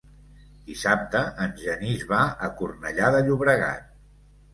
Dissabte en Genís va a Cornellà de Llobregat.